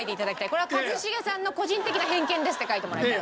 「これは一茂さんの個人的な偏見です」って書いてもらいたい。